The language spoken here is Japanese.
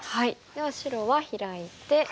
では白はヒラいて。